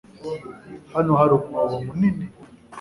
Hano hari umwobo mu nini